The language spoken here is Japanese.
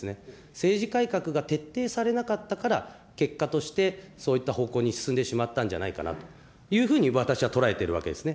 政治改革が徹底されなかったから、結果として、そういった方向に進んでしまったんじゃないかなというふうに私は捉えているわけですね。